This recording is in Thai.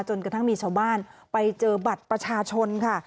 กระทั่งมีชาวบ้านไปเจอบัตรประชาชนค่ะ